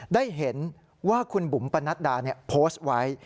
ได้เห็นว่าคุณบุ๋มปนัดดาโพสต์ไว้